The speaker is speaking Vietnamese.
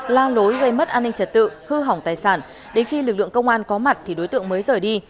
la lối gây mất an ninh trật tự hư hỏng tài sản đến khi lực lượng công an có mặt thì đối tượng mới rời đi